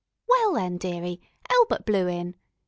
Well, then, dearie, Elbert blew in.